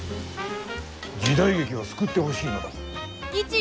時代劇を救ってほしいのだ。